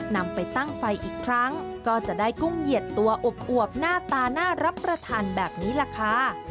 นำไปตั้งไฟอีกครั้งก็จะได้กุ้งเหยียดตัวอวบหน้าตาน่ารับประทานแบบนี้แหละค่ะ